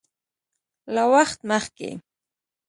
له وخت مخکې